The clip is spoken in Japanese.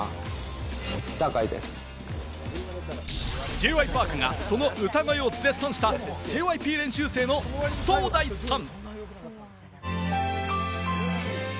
Ｊ．Ｙ．Ｐａｒｋがその歌声を絶賛したＪＹＰ練習生のソウダイさん。